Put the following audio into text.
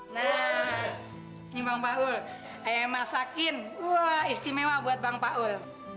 nah ini bang paul ayo masakin wah istimewa buat bang paul